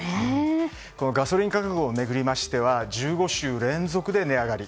このガソリン価格を巡りましては１５週連続で値上がり。